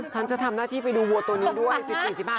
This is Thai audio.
ฉันจะทำหน้าที่ไปดูวัวตัวนี้ด้วย